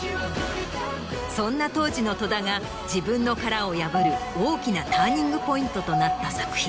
そんな当時の戸田が自分の殻を破る大きなターニングポイントとなった作品。